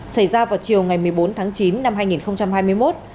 xảy ra vào chiều ngày một mươi bốn tháng chín năm hai nghìn một mươi chín